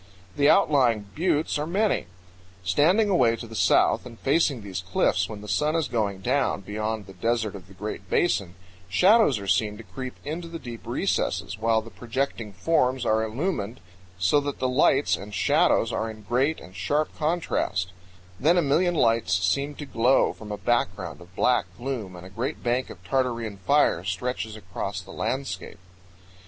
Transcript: The outlying buttes are many. Standing away to the south and facing these cliffs when the sun is going down beyond the desert of the Great Basin, shadows are seen to creep into the deep recesses, while the projecting forms are illumined, so that the lights and shadows are in great and sharp contrast; then a million lights seem to glow from a background of black gloom, and a great bank of Tartarean fire stretches across the landscape.